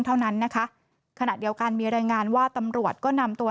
เท่านั้นนะคะขณะเดียวกันมีรายงานว่าตำรวจก็นำตัว